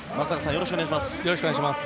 よろしくお願いします。